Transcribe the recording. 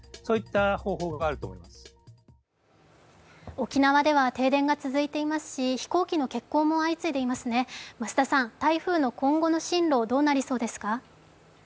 沖縄では停電が続いていますし飛行機の欠航も相次いでいますね増田さん台風の今後の進路どうなりそうですか？